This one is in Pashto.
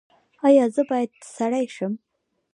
ایا زه باید سړی شم؟